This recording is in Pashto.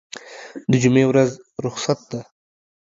دجمعې ورځ رخصت ده